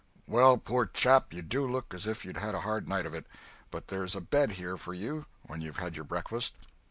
"Well, poor chap, you do look as if you'd had a hard night of it—but there's a bed here for you when you've had your breakfast.